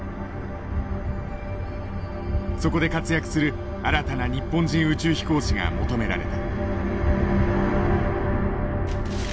そこで活躍する新たな日本人宇宙飛行士が求められた。